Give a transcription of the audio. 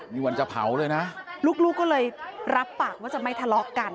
มีวันจะเผาเลยนะลูกก็เลยรับปากว่าจะไม่ทะเลาะกัน